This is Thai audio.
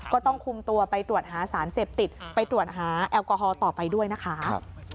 ก็ต้องคุมตัวไปตรวจหาสารเสพติดไปตรวจหาแอลกอฮอลต่อไปด้วยนะคะ